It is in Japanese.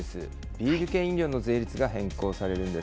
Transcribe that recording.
ビール系飲料の税率が変更されるんです。